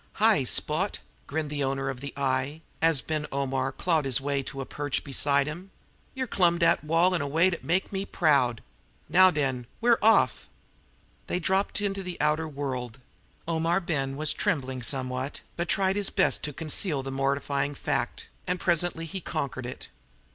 "Hi, spote!" grinned the owner of the eye, as Omar Ben clawed his way to a perch beside him. "Yer clumb dat wall in a way dat make me proud. Now, den, we're off!" They dropped into the outer world. Omar Ben was trembling somewhat, but tried his best to conceal the mortifying fact, and presently he conquered it.